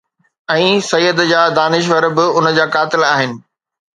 ۽ سيد جا دانشور به ان جا قائل آهن.